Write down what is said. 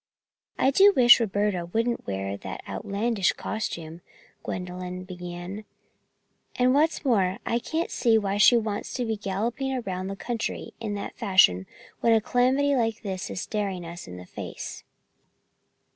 "I do wish Roberta wouldn't wear that outlandish costume," Gwendolyn began, "and what's more I can't see why she wants to be galloping around the country in that fashion when a calamity like this is staring us in the face."